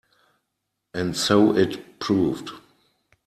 And so it proved.